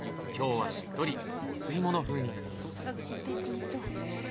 今日はしっとりお吸い物風に。